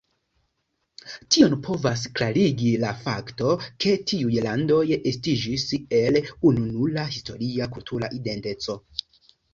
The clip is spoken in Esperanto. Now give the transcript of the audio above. Tion povas klarigi la fakto, ke tiuj landoj estiĝis el ununura historia kultura identeco.